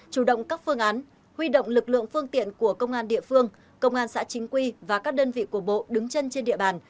chủ động các phương án huy động lực lượng phương tiện của công an địa phương công an xã chính quy và các đơn vị của bộ đứng chân trên địa bàn